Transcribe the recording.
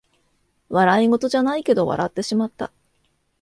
笑いごとじゃないけど笑ってしまった